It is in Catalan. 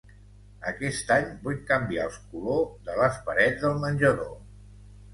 Aquest any vull canviar el color de les parets del menjador.